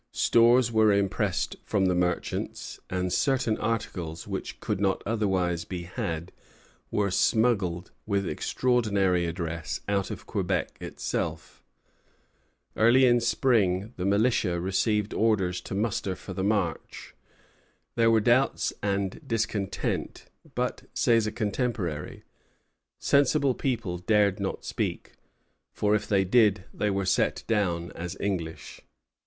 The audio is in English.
Stores were impressed from the merchants; and certain articles, which could not otherwise be had, were smuggled, with extraordinary address, out of Quebec itself. Early in spring the militia received orders to muster for the march. There were doubts and discontent; but, says a contemporary, "sensible people dared not speak, for if they did they were set down as English."